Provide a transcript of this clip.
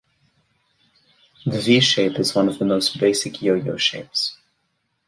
The V shape is one of the most basic yo-yo shapes.